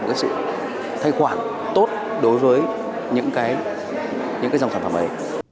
một cái sự thay khoản tốt đối với những cái dòng sản phẩm ấy